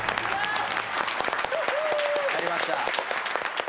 やりました。